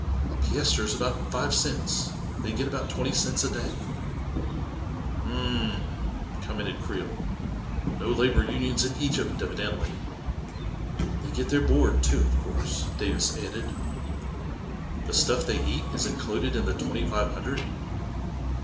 "A piastre is about five cents — they get about twenty cents a day." " Hum — m ml " commented Creel. " No labor unions in Egypt, evidently !" "They get their board, too, of course," Davis added. ioo A KING IN BABYLON " The stuff they eat is included in the twenty five hundred?"